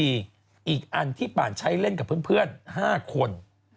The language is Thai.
อีกอันที่ป่านใช้เล่นกับเพื่อน๕คน